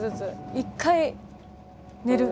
一回寝る。